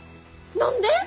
何で？